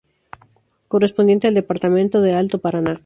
Correspondiente al Departamento de Alto Paraná.